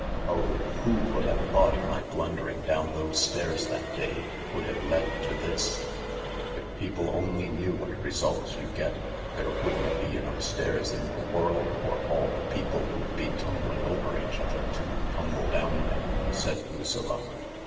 " Oh, who would have thought THE LARK 155 my blundering down those stairs that day would have led to this 1 " u If people only knew what results you get there wouldn't be enough stairs in the world for all the people who'd be tumbling over each other to tumble down them/' said Lucilla.